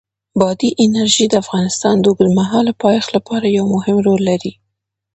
بادي انرژي د افغانستان د اوږدمهاله پایښت لپاره یو مهم رول لري.